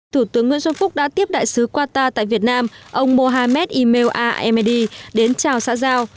thủ tướng nguyễn xuân phúc đã tiếp đại sứ qua ta tại việt nam ông mohamed emel a emedi đến chào xã giao